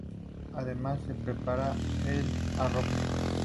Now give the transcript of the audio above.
Además, se prepara el arrope.